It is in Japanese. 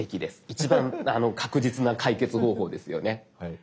一番確実な解決方法ですよね。